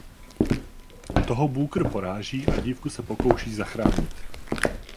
Toho Booker poráží a dívku se pokouší zachránit.